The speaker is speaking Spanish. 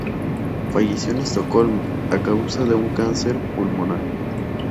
Falleció en Estocolmo, a causa de un cáncer pulmonar.